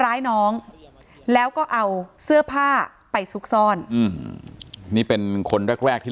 ร้ายน้องแล้วก็เอาเสื้อผ้าไปซุกซ่อนอืมนี่เป็นคนแรกแรกที่